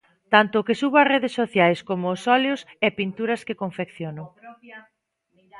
Tanto o que subo ás redes sociais como os óleos e pinturas que confecciono.